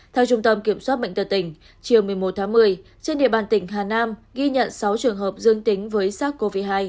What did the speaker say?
theo trung tâm kiểm soát bệnh tật tỉnh chiều một mươi một tháng một mươi trên địa bàn tỉnh hà nam ghi nhận sáu trường hợp dương tính với sars cov hai